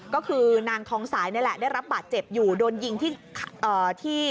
ก็คือนางทองสายนี่แหละได้รับบาดเจ็บอยู่โดนยิงที่